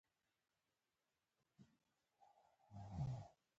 کله به اړ شو، جنګ به یې وکړ.